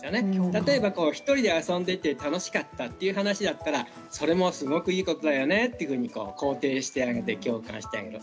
例えば１人で遊んでいて楽しかったという話だったらそれもすごくいいことだよねというふうに肯定してあげて共感してあげる。